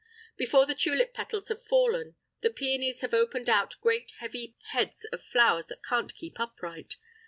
Before the tulip petals have fallen, the peonies have opened out great heavy heads of flowers that can't keep upright.